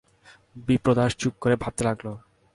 বিপ্রদাস চুপ করে ভাবতে লাগল।